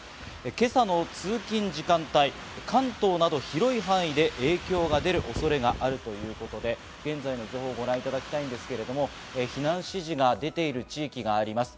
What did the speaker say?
今朝の通勤時間帯、関東など広い範囲で影響が出る恐れがあるということで、現在の情報をご覧いただきたいんですけれども、避難指示が出ている地域があります。